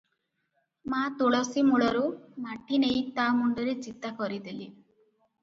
ମା ତୁଳସୀ ମୂଳରୁ ମାଟି ନେଇ ତା ମୁଣ୍ଡରେ ଚିତା କରିଦେଲେ ।